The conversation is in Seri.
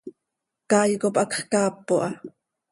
Caay cop hacx caap oo ha.